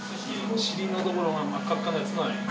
尻のところが真っ赤っかなやつがいい。